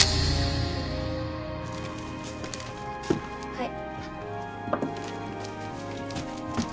はい。